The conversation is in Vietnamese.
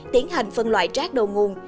tiến hành phân loại rác đầu nguồn